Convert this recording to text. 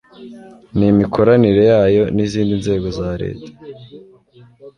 n imikoranire yayo n izindi nzego za Leta